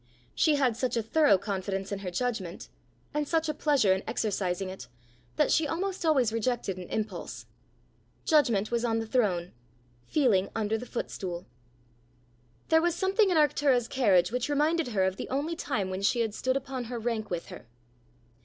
She had such a thorough confidence in her judgment, and such a pleasure in exercising it, that she almost always rejected an impulse. Judgment was on the throne; feeling under the footstool. There was something in Arctura's carriage which reminded her of the only time when she had stood upon her rank with her.